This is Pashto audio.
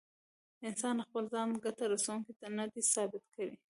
انسان خپل ځان ګټه رسوونکی نه دی ثابت کړی.